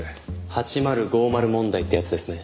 ８０５０問題ってやつですね。